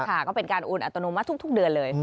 ค่ะก็เป็นการอูนอัตโนมัติทุกเดือนเลย